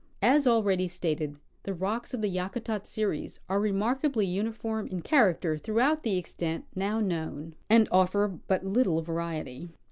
As already stated, the rocks of the Yakutat series are remark ably uniform in character throughout the extent now known, and offer but little variety.